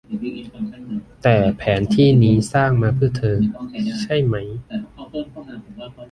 แต่แผนที่นี้สร้างมาเพื่อเธอ ใช่มั้ย